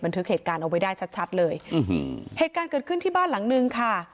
ทึกเหตุการณ์เอาไว้ได้ชัดชัดเลยอืมเหตุการณ์เกิดขึ้นที่บ้านหลังนึงค่ะ